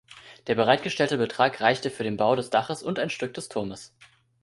Der bereitgestellte Betrag reichte für den Bau des Daches und ein Stück des Turmes.